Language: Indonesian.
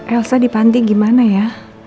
elsa di panti gimana ya